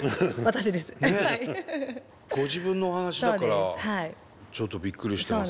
ご自分のお話だからちょっとびっくりしてます。